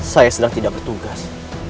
saya sedang tidak bertugas